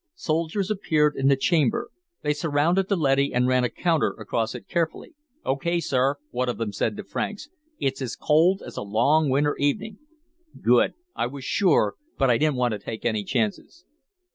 Soldiers appeared in the chamber. They surrounded the leady and ran a counter across it carefully. "Okay, sir," one of them said to Franks. "It's as cold as a long winter evening." "Good. I was sure, but I didn't want to take any chances."